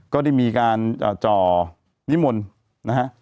ก็ได้มีการจ่อนิมนตร์